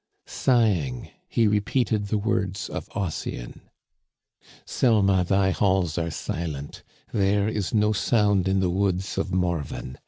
Sighing, he re peated the words of Ossian :Selma, thy halls are silent. There is no sound in the woods of Morven.